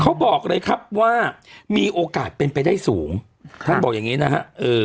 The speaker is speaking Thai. เขาบอกเลยครับว่ามีโอกาสเป็นไปได้สูงท่านบอกอย่างงี้นะฮะเออ